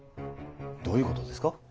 どういうことですか。